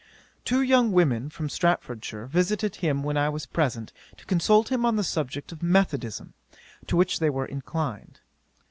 'Two young women from Staffordshire visited him when I was present, to consult him on the subject of Methodism, to which they were inclined.